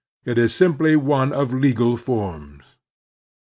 It is simply one of legal forms.